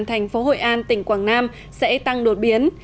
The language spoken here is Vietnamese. thành phố hội an tỉnh quảng nam sẽ tăng đột biến